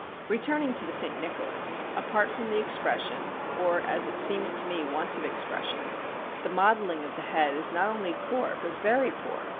Returning to the S. Nicholas; apart from the expression, or as it seems to me want of expression, the modelling of the head is not only poor but very poor.